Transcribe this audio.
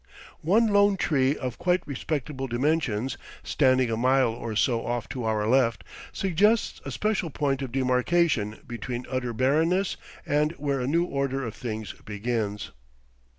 One lone tree of quite respectable dimensions, standing a mile or so off to our left, suggests a special point of demarcation between utter barrenness and where a new order of things begins.